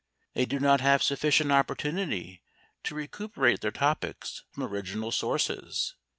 They do not have sufficient opportunity to recuperate their topics from original sources.